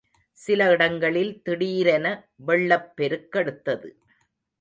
சில இடங்களில் திடீரென வெள்ளப் பெருக்கெடுத்தது.